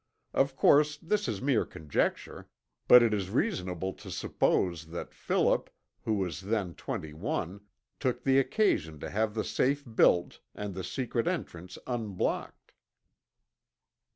Of course, this is mere conjecture, but it is reasonable to suppose that Philip, who was then twenty one, took the occasion to have the safe built, and the secret entrance unblocked."